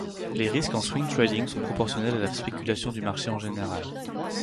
Les risques en Swing Trading sont proportionnels à la spéculation du marché en général.